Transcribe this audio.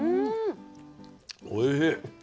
おいしい。